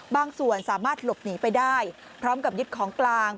ส่วนสามารถหลบหนีไปได้พร้อมกับยึดของกลาง